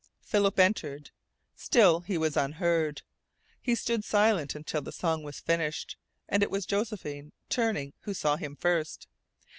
Philip entered. Still he was unheard. He stood silent until the song was finished, and it was Josephine, turning, who saw him first.